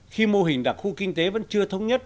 khi mô hình đặc khu kinh tế vẫn chưa thống nhất